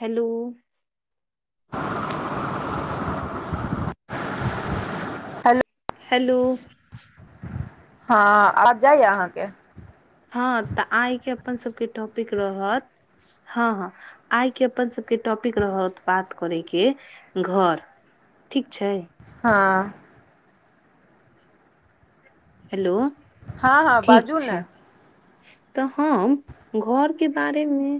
hello hello hello हँ आवाज जाइय अहाँके हँ तऽ आइ के अपन सबके टॉपिक रहत हँ हँ आइ के अपन सब सब के टॉपिक रहत बात करे के घर ठीक छै हँ हेलो हँ हँ बाजू ने ह तऽ हम घर के बारे मे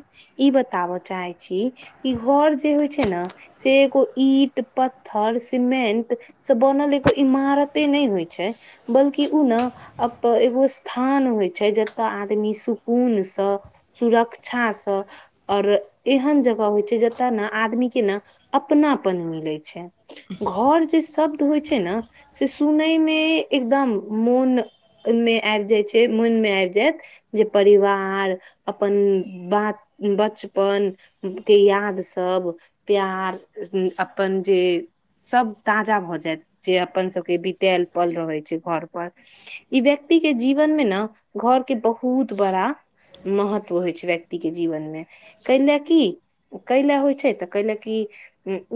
ई बताबऽ चाहे छी कि घर जे होइ छै ने से एगो ईट पत्थर सीमेंट से बनल एगो इमारत ते नहि होइ छै बल्कि उ न एगो स्थान होइ छै ज त आदमी सुकून स सुरक्षास और एहन जगह होइ छै जतऽ ने आदमी के ने अपनापन मिलै छै घर जे शब्द होइ छै ने सुनै मे एकदम मन मे आबि जाइ छै मन मे आबि परिवार अपन बचपन के याद ाद सब प्यार अपन जे सब ताजा भऽ जायत जे अपन सबके बितए पल रहै छै घर पर ई व्यक्ति के जीवन मे न घर के बहुत बड़ा महत्व होइ छै व्यक्ति के जीवन मे कै ल की कैल होइ छै तऽ कैल क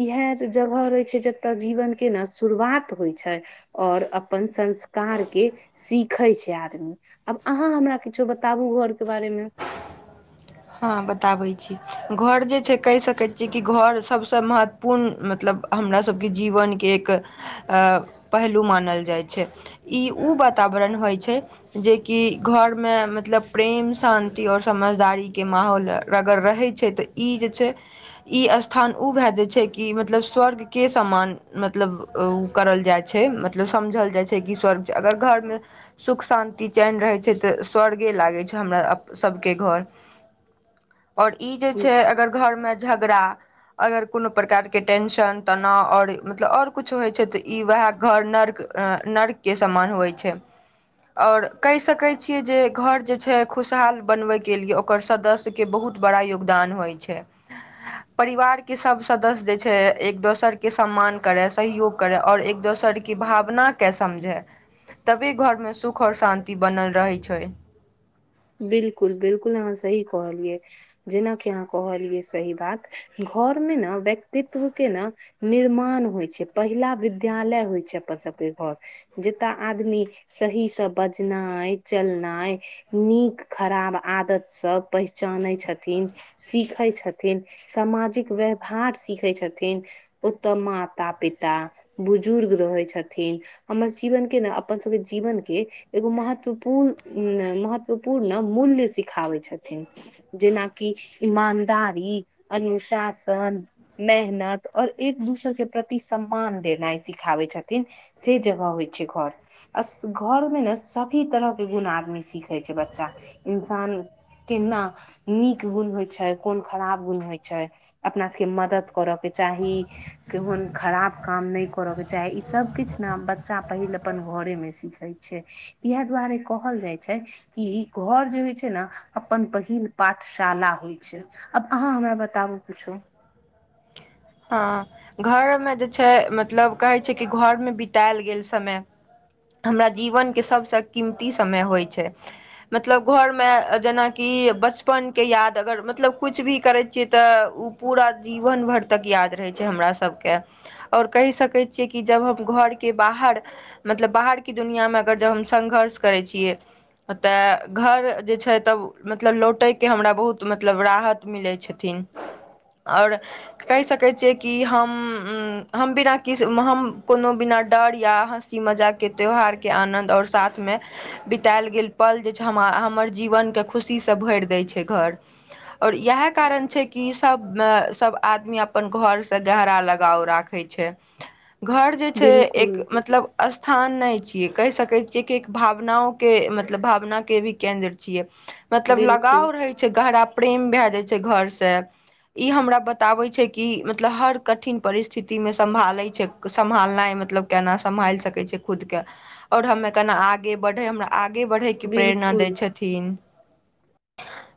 इएह जगह रहै छै जतय जीवन के ने शुरू शुरआत होइ छै और अपन संस्कार के सीखै छै आदमी आब अहाँ हमरा किछो बताबु घरके बारेमे हँ बताबै छी घर जे छै कहि सकैत छीयै कि घर सबसँ महत्वपूर्ण मतलब हमरा सबके जीवनके एक पहलू मानल जाइ छै इ उ वातावरण होइ छै जेकि घर मे मतलब प्रेम शान्ति और समझदारी के माहौल अगर रहै छै त इ जे छै इ स्थान उ भय जे छै कि मतलब स्वर्ग के सम्मान मतलब उ करल जाय छै मतलब समझल जाय छै कि स्वर्ग अगर घरमे सुख शान्ति कि चैन रहै छै तऽ स्वर्गे लागै छै हमरा सभके घर आओर ई जे छै अगर घरमे झगड़ा अगर कोनो प्रकारके टेंशन तनाव नरक के सम्मान होइ छै आओर कहि सकै छियै जे घर जे छै खुशहाल बनबे के लिए ओकर सदस्य के बहुत बड़ा योगदान होइ छै परिवार के सब सदस्य जे छै एक दोसर के सम्मान करै सहयोग करै और एक दो सर की भावना के समझै तबे घरमे सुख आओर शान्ति बनल रहै छै बिलकुल बिलकुल अहाँ सही कहलियै जेनाकि अहाँ कहलियै सही बात घर मे न व्यक्तित्व के न निर्माण होइ छै पहिला विद्यालय होय छै अपन सब घर जता आदमी सही से बजनाइ चलनाइ नीक खराब आदतसँ पहचानै छथिन सीखै छथिन सा माजिक व्यवहार सीखै छथिन ओतऽ माता पिता बुजुर्ग रहै छथिन हमर जीवन के ने अपन सबके जीवन के एगो महत्वपूर्ण मह त्वपूर्ण मूल्य सिखाबै छथिन जेनाकि ईमानदारी शासन मेहनत और एक दोसर के प्रति सम्मान देनाइ सिखाबै छथिन से जगह होइ छै घर अ घर मे ने सभी तरह के गुण आदमी सीखै बच्चा इन्सान केना नीक गुण होइ छै कोन खराब गुण होइ छै अपना सबके मदद करय के चाही केहन खराब काम नहि करऽ के चाही ई सब किछु ने बच्चा पहिल अपन घरे मे सीखे छै इएह दुआरे कहल जाय छै कि घर जे होय छै ने अपन पहिल पाठशाला होय छै अब अहाँ हमरा बताबु सब किछु हँ घरमे जे छै मतलब कहै छै कि घरमे बितायल गेल समय हमरा जीवनक के सबस कीमती समय होइ छै मतलब घर मे जेना कि बचपन के याद अगर मतलब कुछ भी करै छियै तऽ ओ पूरा जीवन भर तक याद रह छै हमरा सबके आओर कहि सकै छियै कि जब हम घरके बाहर मतलब बाहरके दुनियामे अगर ज हम संघर्ष करै छियै तऽ घर जे छै तब मतलब लौटयके हमरा बहुत मतलब राहत मिलै छथिन आओर कहि सकैत छियै कि हम हम बिना किस हम कोनो बिना डर या हँसी मजाक के त्यौहार के आनंन्द आओर साथमे बितयल गेल पल जे हमर जीवन के खुशी भै छै घ आओ इ कारन छै कि सब आदमी अपन घर स गहरा लगाव राखै छै घर जे छै बिल्कुल एक मतलब स्थान नै छ कि कहि सकैत छियै कि एक भावनाओ के मतलब भावनाके भी केन्द्र छियै मतलब बिल्कुल लगाव रहै छै गहरा प्रेम भए जाइ छै घर से ई हमरा बत बताबे छै कि मतलब हर कठिन परिस्थिति मे संभालय छै सभलनाइ मतलब केना सम सम्हाइल सकै छै खुद के आओर हम एखना आगे बढ़इ आगे बढ़यके प्रेरणा दै बिल्कुल छथिन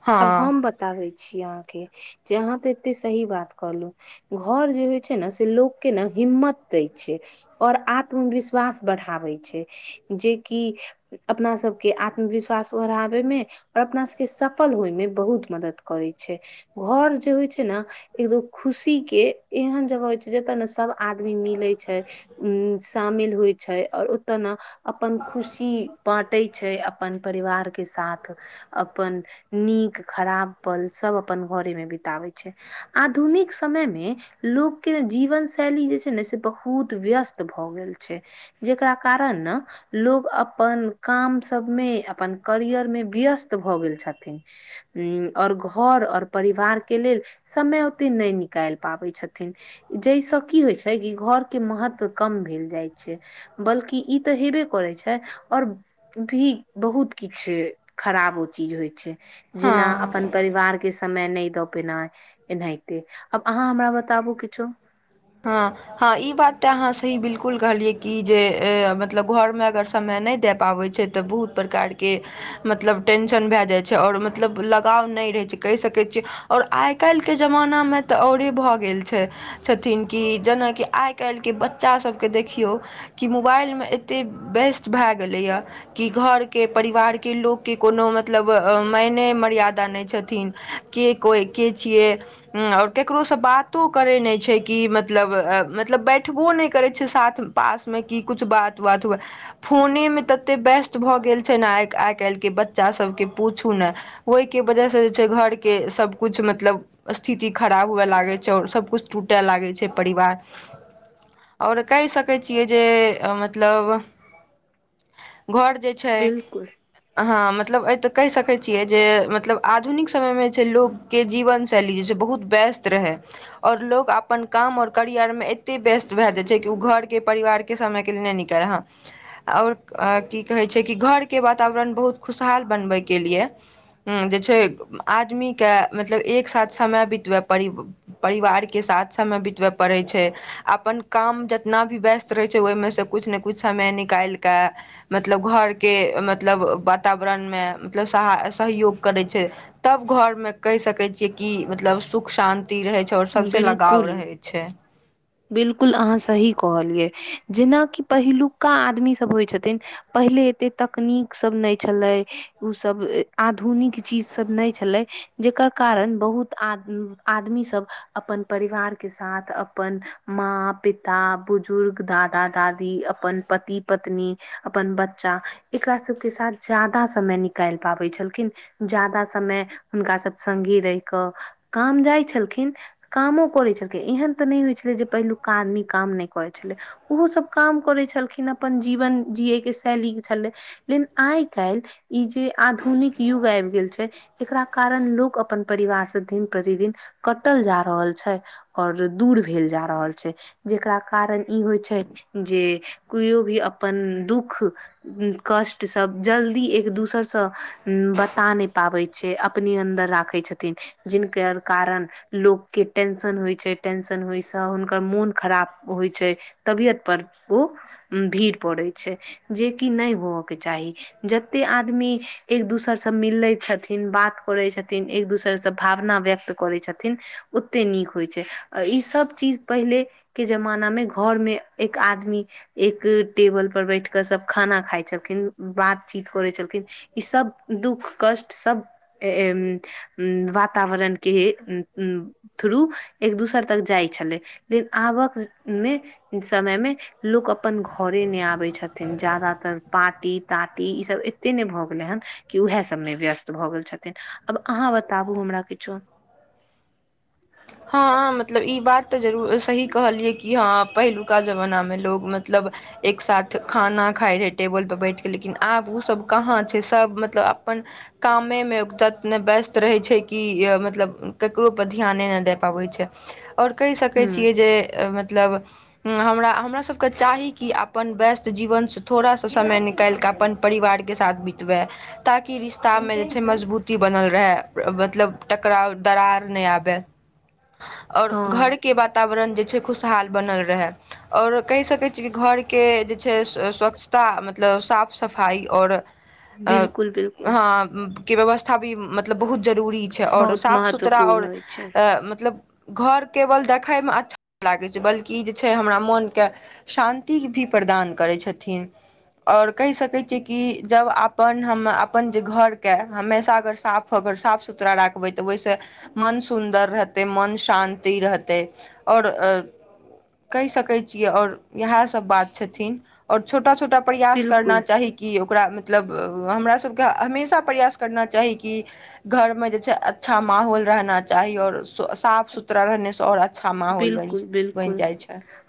हँ आब हम बताबै छी आहां त एते सही बात कहलहुं घर जे होइ छै ने से लोक के ने हिम्मत दै छै और आत्मविश्वास बढ़ाबै छै जेकि अपना सबके आत्मविश्वास ओढ़ाबै मे और अपना सबके सब सल होय मे बहुत मदद करै छै घर जे होइ छै ने एक दो खुशी के एहन जगह होइ छै जते ने सब आदमी मिलै छै उ शामिल होइ छै आऔर ओत' न अपन खुशी बाँटै छै अपन परिवार के साथ अपन नीक खराब पल सब अपन घरेमे बितबे छै आधुनिक समयमे लोक के जीवन शैली जे छै ने से बहुत व्यस्त भए गेल छै जेकरा कारण ने लोग अपन काम सब मे अपन करियर मे व्यस्त भऽ गेल छथिन उ घर आओर परिवार के लेल समय ओते नहि निकालि पाबै छथिन जहिस की होइ छै कि घर के महत्व कम भेल जाइ छै बल्कि ई तऽ ह हेबे करै छै आओर भी बहुत किछु खराब ओ चीज होइ छै जेना हँ अपन परिवार के समय नहि दऽ पेना एनाहिते आब अहाँ हमरा बताबु किछो हँ हँ ई बात तऽ अहाँ सही बिलकुल कहलियै कि जे मतलब घरमे अगर समय नहि द पाबै छै तऽ बहुत प्रकारके मतलब टेंशन भए जाइ छै आओर मतलब लगाव नहि आय काईल के ज़बाना में और भा गेल छै छथिन कि जेनाकि आइ काल्हि के बच्चा सभ के देखियौ कि मोबाइल मे एते व्यस्त भए गेलैया कि घर के परिवार के लोकके कोनो मतलब मायने मर्यादा छैतीन के कोइ केकरो से बातों कराई छै कि मतलब मतलब बैठबो नहि करै छै साथ पासमे कि किछु बात बात हुए फोने मे तते व्यस्त भऽ गेल छै ने आ आइ काल्हि के बच्चा सब के पूछू ने ओहि के वजह से जे छै घर के सब कुछ मतलब स्थिति खराब हुए लागे छै और सब कुछ टूट छूटए लागै छै परिवार आओर कहि सकै छियै जे मतलब घर जे छै बिल्कुल अहां मतलब ए त कहि सकै छियै जे मतलब आधुनिक समय मे जे छै लोग के जीवन शैली जे छै बहुत व्यस्त रहै आओर लोकोग आप अपन काम आओर करियरमे एतेक व्यस्त भए जाै छै कि ओ घरके परिवारके समयके लिए नहि निकल ह आओर की कहै छै कि घरके वातावरण बहुत खुशहाल बनबैके लिए ह जे छै आदमीके मतलब एक साथ समय बितबै परि परिवारके साथ समय बितबय पड़ै छै अपन काम जत जतना भी व्यस्त रहै छै ओहिमे सँ किछु ने किछु समय निकालके मतलब घरके मतलब वातावरणमे मतलब सा सहयोग करै छै तऽ सब घर में कहि सके छीये की मतलब सुख शांति रहे छै और सबसे लगाव रहे छै बिलकुल अहाँ सही कहलियै जेनाकि पहिलुका आदमीसभ होइत छथिन पहिले एतेक तकनीक सब नहि छलै ऊसब आधुनिक चीजसब नहि छलै जेकर कारण बहुत आदमी सब अपन परिवार के साथ अपन माँ पिता बुजुर्ग दादा दादी अपन पति पत्नी अपन बच्च एकरा सबके साथ जादा समय निकालि पाबै छलखिन जादा समय हुनक सब संगे रहि कऽ काम जाइ छलखिन कामो करै छलखिन एहन तऽ नहि होइ छल जे पहिलुका आदमी काम नहि करै छलै ओहो सब काम करै छलखिन अपन जीवन जियै के [inaudible] कारण लोग अपन परिवार से दिन प्रतिदिन कटल जा रहल छै और दूर भेल जा रहल छै जेकरा कारण ई होइ छै जे केयओ भी अपन दुःख मुख कष्ट सब जल्दी एक दोसर से बता नहि पाबे छै अपने अंन्दर राखे छै छथिन जिनक कारण लोकके टेंशन होइ छै टेंनश होय से हुनकर मोन खराब होय छै तबियत पर ओ भीड़ पड़े छै जे कि नहि हो के चाही जते आदमी एक दोसरसँ मिलैत छथिन बात करै छथिन एक दोसर भावना व्यक्त करै छथिन ओते नीक होइ छै इ सब चीज पहिले के जमाना में घर में एक आदमी एक टेबल पर बैठ के सब खाना खाइ छलखिन बातचीत होय छलखिन ई सब दुःख कष्ट सब वातावरण के थ्रू एक दूसर तक जाइ छले लेकिन आबक मे समय मे लोकग अपन घरे नहि आबे छथिन ज्यादातर पाटी तीटी ई सब एते ने भऽ गेले हेन कि उएह सबमे व्यस्त भऽ गेल छै [inaudible] हँ मतलब ई बात तऽ जरूर सही कहलियै कि हँ पहिलुका जमानामे लोक मतलब एक साथ खाना खााय रहै टेबल पर बैठ के लेकिन आब ओ सब कहाँ छै सब मतलब अपन कामेमे वस्त रहे छै कि मतलब केकरो पर ध्यान ने दे पाबै छै आओर कहि सकै ह छियै जे मतलब हमरा हमरा सबके चाही कि अपन व्यस्त जीवनसँ थोड़ा सा समय निकाल कऽ अपन परिवार के साथ बितबै ताकि रिश्तामे जे छै मजबूती बनल रहै मतलब टकराव दरार नहि आबय और घर हँ के वातावरण खुश हाल बानल रहै आ कहि सकैत अछि मतलब साफ सफाइ आओर बिल्कुल बिल्कुल हँ के व्यवस्था भी मतलब बहुत जरूरी छै आओर बहुत साफ सुथरा महत्वपूर्ण आओर होइ छै मतलब घर केवल देखय मे अच्छा लागै छै बल्कि जे छै हमरा मन के शान्ति भी प्रदान करै छथिन ओर कहि सकैत छियै कि जब अपन हम अपन जे घरके हमेशा अगर साफ ऽ [inaudible] ओतेक मन शान्ति रहतै आओर कहि सकै छियै आओर इहा सब बात छथिन और छोटा छोटा प्रयास करना बिल्कुल चाही क ओकरा मतलब हमरा सबके हमेशा प्रयास करना चाही कि घरमे जे छै अच्छा माहौल रहना चाही और स साफ सुथरा रहने से और अ बिलकुल बिलकुल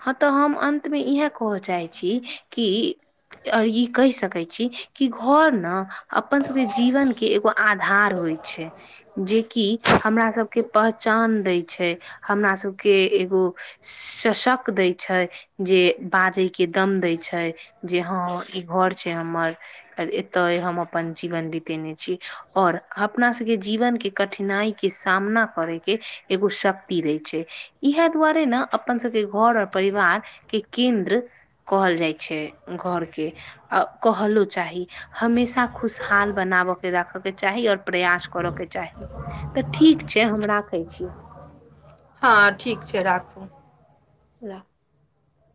हँ तऽ हम अन्तमे इएह कहऽ चाहैत छी कि आर ई कहि सकै छी कि घर ने अपन सबके जीवन के एगो आधार होइ छै जेकि हमरा सबके पह चान दै छै हमरा सब के एगो शशक दै छै जे बाजे के दम दै छै जे हँ ई घर छै हमर अर एते हम अपन जीवन बीतेने छी और अपना सबके जीवन के कठिनाई के सामना करे के एगो शक्ति रहै छै इएहे दुआरे ने अपन सब के घर और परिवार के केन्द्र कहल जाय छै घर के कहलो चाही हमेशा खुशहाल बनाबऽ के राखऽ के चाही आओर प्रयास करऽ के चाही तऽ ठीक छै हम राखै छी हँ ठीक छै राखू ल